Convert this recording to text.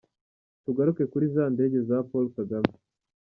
Tugaruke kuri za ndege za Paul Kagame.